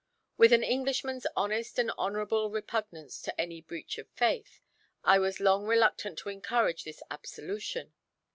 With an Englishman's honest and honourable repugnance to any breach of faith, I was long reluctant to encourage this absolution.